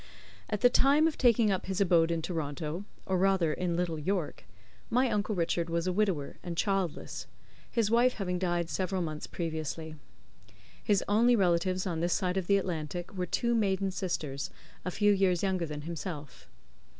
At the time of taking up his abode in Toronto or rather in Little York my uncle Richard was a widower, and childless; his wife having died several months previously. His only relatives on this side of the Atlantic were two maiden sisters, a few years younger than himself.